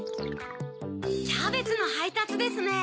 キャベツのはいたつですね